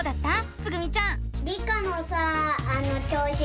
つぐみちゃん。